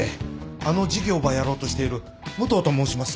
あの事業ばやろうとしている武藤と申します。